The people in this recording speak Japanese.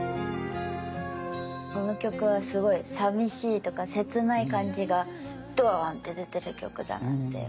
この曲はすごいさみしいとか切ない感じがドーンって出てる曲だなって思います。